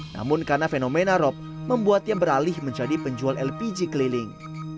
namun karena fenomena rop membuatnya beralih menjadi penjual lpg keliling